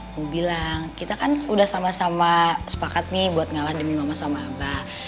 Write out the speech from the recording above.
aku bilang kita kan udah sama sama sepakat nih buat ngalah demi mama sama abah